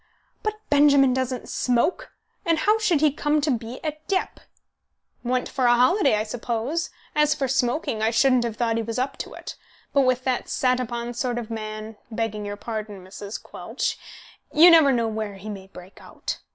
"But Benjamin doesn't smoke; and how should he come to be at Dieppe?" "Went for a holiday, I suppose. As for smoking, I shouldn't have thought he was up to it; but with that sat upon sort of man begging your pardon, Mrs. Quelch you never know where he may break out.